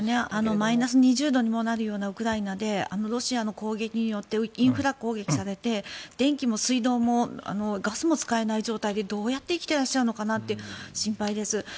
マイナス２０度にもなるようなウクライナでロシアの攻撃によってインフラ攻撃されて電気も水道もガスも使えない状態でどうやって生きていらっしゃるのかなって心配です。